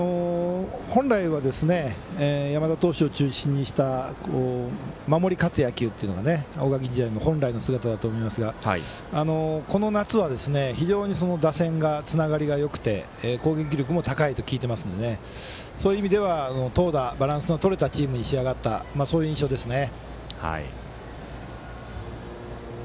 本来は山田投手を中心にした守り勝つ野球が大垣日大の本来の姿だと思いますがこの夏は非常に打線のつながりがよくて攻撃力も高いと聞いていますのでそういう意味では投打バランスのとれたチームに仕上がったという印象ですね。